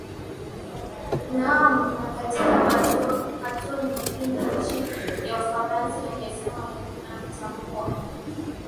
naam na katika hatua nyingine nchi ya ufaransa imesema inamtambua